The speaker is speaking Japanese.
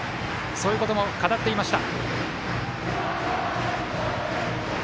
そういうことも語っていました。